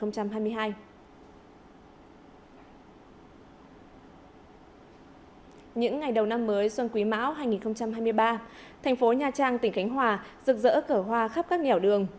những ngày đầu năm mới xuân quý mão hai nghìn hai mươi ba thành phố nha trang tỉnh khánh hòa rực rỡ cở hoa khắp các nẻo đường